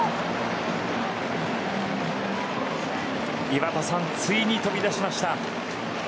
井端さん、ついに飛び出しました。